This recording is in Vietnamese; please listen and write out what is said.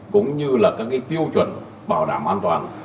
cũng như là các tiêu chuẩn bảo đảm an toàn